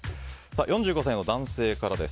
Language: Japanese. ４５歳の男性の方からです。